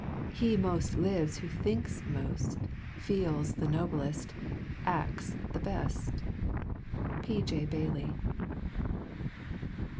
He most lives Who thinks feels the noblest, acts the best." P. J. Bailey.